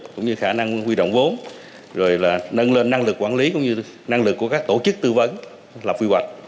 cũng như khả năng huy động vốn rồi là nâng lên năng lực quản lý cũng như năng lực của các tổ chức tư vấn lập quy hoạch